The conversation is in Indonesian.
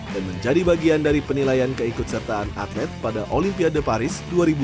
dan menjadi bagian dari penilaian keikutsertaan atlet pada olimpiade paris dua ribu dua puluh empat